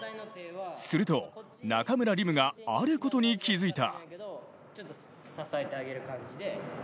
すると、中村輪夢があることに気付いた。